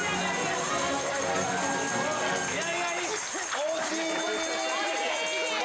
惜しい！